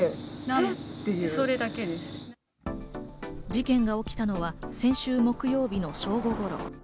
事件が起きたのは先週木曜日の正午頃。